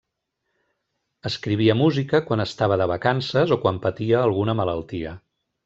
Escrivia música quan estava de vacances o quan patia alguna malaltia.